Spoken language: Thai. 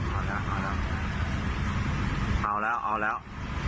เอาแล้วเอาแล้วเอาแล้วเอาแล้ว